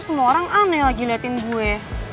semua orang aneh lagi ngeliatin gue